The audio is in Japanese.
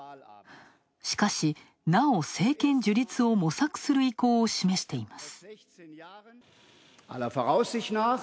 しかし、なお政権樹立を模索する意向を示しています。